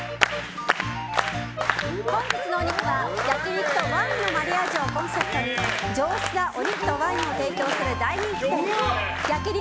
本日のお肉は、焼き肉とワインのマリアージュをコンセプトに上質なお肉とワインを提供する大人気店焼肉